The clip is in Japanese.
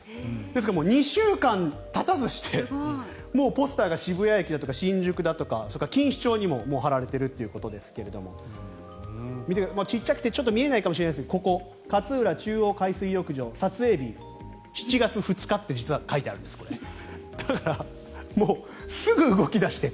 ですから２週間たたずしてもうポスターが渋谷駅だとか新宿だとか錦糸町にも貼られているということですが小っちゃくて見えないかもしれませんがここ、勝浦中央海水浴場撮影日、７月２日って実は書いてあるんですけどだからすぐ動き出して。